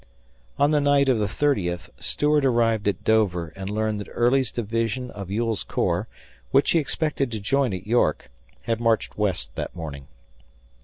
On the night of the thirtieth Stuart arrived at Dover and learned that Early's division of Ewell's corps, which he expected to join at York, hadmarched west that morning.